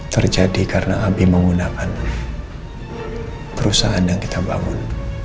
terjadi karena abi menggunakan perusahaan yang kita bangun